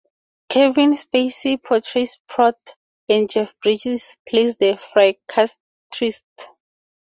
Kevin Spacey portrays Prot, and Jeff Bridges plays the psychiatrist.